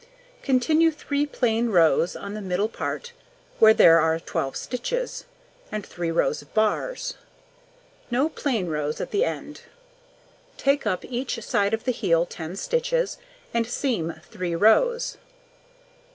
Continue 3 plain rows on the middle part where there are 12 stitches, and 3 rows of bars; no plain rows at the end; take up each side of the heel 10 stitches, and seam 3 rows.